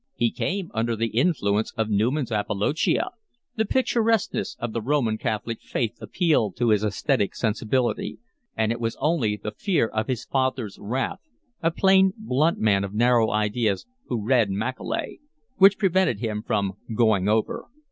He came under the influence of Newman's Apologia; the picturesqueness of the Roman Catholic faith appealed to his esthetic sensibility; and it was only the fear of his father's wrath (a plain, blunt man of narrow ideas, who read Macaulay) which prevented him from 'going over.